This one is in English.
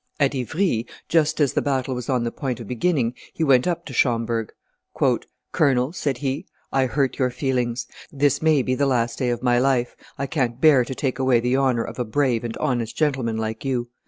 At Ivry, just as the battle was on the point of beginning, he went up to Schomberg. "Colonel," said he, "I hurt your feelings. This may be the last day of my life. I can't bear to take away the honor of a brave and honest gentleman like you.